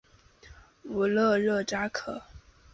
武勒热扎克。